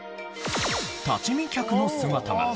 立ち見客の姿が。